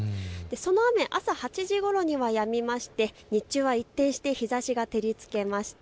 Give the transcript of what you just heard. その雨、朝８時ごろにはやみまして日中は一転して日ざしが照りつけました。